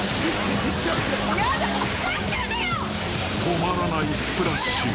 ［止まらないスプラッシュ］